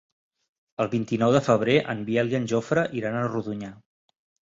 El vint-i-nou de febrer en Biel i en Jofre iran a Rodonyà.